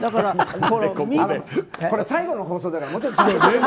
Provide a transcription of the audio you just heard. これ、最後の放送だから。